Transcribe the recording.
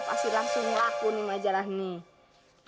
pasti langsung laku nih majalah nih